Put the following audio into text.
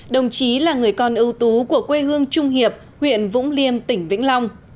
đồng chí là người con ưu tú của quê hương trung hiệp huyện vũng liêm tỉnh vĩnh long